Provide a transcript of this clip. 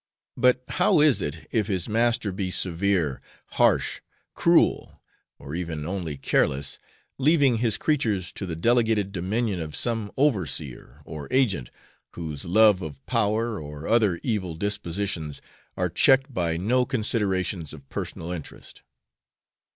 But how is it if his master be severe, harsh, cruel or even only careless leaving his creatures to the delegated dominion of some overseer, or agent, whose love of power, or other evil dispositions, are checked by no considerations of personal interest?